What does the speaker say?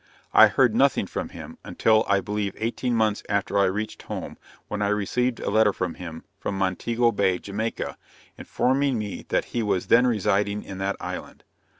I heard nothing from him, until I believe eighteen months after I reached home, when I received a letter from him, from Montego Bay, Jamaica, informing me that he was then residing in that island.